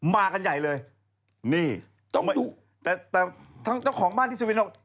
มากันใหญ่เลยนี่ต้องไปดูแต่แต่ทางเจ้าของบ้านที่สวินทง